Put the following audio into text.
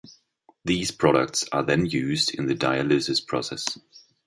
These products are then used in the dialysis process.